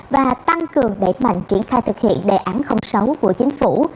và tăng cường đẩy mạnh triển khai thực hiện đề ảnh không xấu của chính phủ